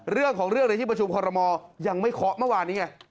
เรื่องของเรื่องในที่ประชุมคอรมอลยังไม่เคาะเมื่อวานนี้ไง